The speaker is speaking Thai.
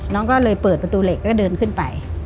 น้องก็เลยเปิดประตูเหล็กแล้วก็เดินขึ้นไป